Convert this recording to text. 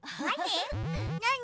なに？